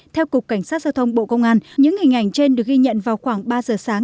theo cục cảnh sát giao thông bộ công an những hình ảnh trên được ghi nhận vào khoảng ba giờ sáng